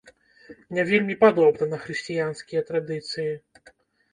Не вельмі падобна на хрысціянскія традыцыі.